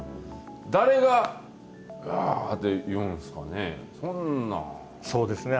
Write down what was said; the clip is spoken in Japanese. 誰が、あーって言うんですかね。